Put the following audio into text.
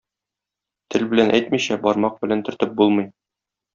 Тел белән әйтмичә, бармак белән төртеп булмый.